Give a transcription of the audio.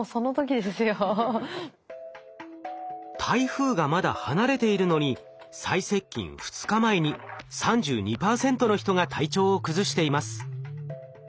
台風がまだ離れているのに最接近２日前に３２％の人が体調を崩しています。